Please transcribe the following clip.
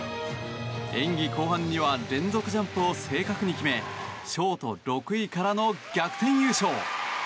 演技後半には連続ジャンプを正確に決めショート６位からの逆転優勝。